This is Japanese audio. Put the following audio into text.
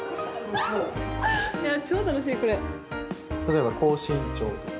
超楽しいこれ。